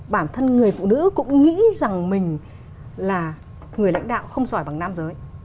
bản thân người phụ nữ cũng nghĩ rằng mình là người lãnh đạo không sỏi bằng nam giới